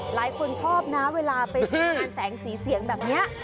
หลายคนชอบนะเวลาไปชมงานแสงสีเสียงแบบนี้